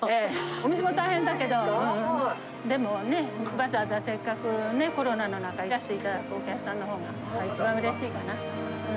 お店も大変だけど、でもね、わざわざ、せっかくね、コロナの中、いらしていただくお客さんのほうが一番うれしいかな。